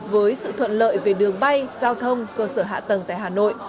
với sự thuận lợi về đường bay giao thông cơ sở hạ tầng tại hà nội